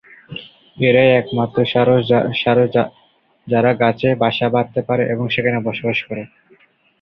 এরাই একমাত্র সারস যারা গাছে বাসা বাঁধতে পারে এবং সেখানে বসবাস করে।